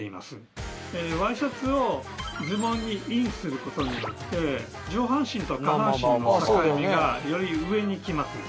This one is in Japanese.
ワイシャツをズボンにインすることによって上半身と下半身の境目がより上に来ます。